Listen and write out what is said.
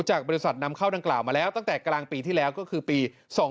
จากบริษัทนำเข้าดังกล่าวมาแล้วตั้งแต่กลางปีที่แล้วก็คือปี๒๕๖